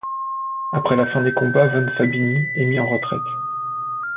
Après la fin des combats, von Fabini est mis en retraite.